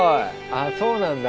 あっそうなんだ。